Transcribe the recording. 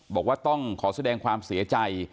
บอกว่าต้องขอแสดงความเสียใจ